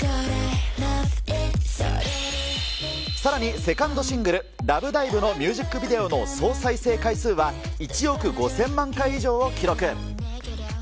さらに、セカンドシングル、ラブダイブのミュージックビデオの総再生回数は１億５０００万回以上を記録。